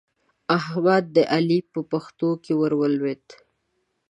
احمد د علي په پښتو کې ور ولوېد.